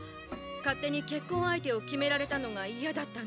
勝手に結婚相手を決められたのが嫌だったんでしょ？